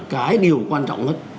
cái điều quan trọng nhất